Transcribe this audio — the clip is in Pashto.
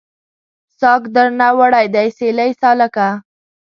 ساګ درنه وړی دی سیلۍ سالکه